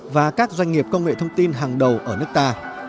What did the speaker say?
và các doanh nghiệp công nghệ thông tin hàng đầu ở nước ta